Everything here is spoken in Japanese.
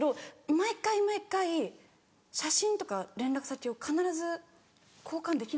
毎回毎回写真とか連絡先を必ず交換できないんですよ。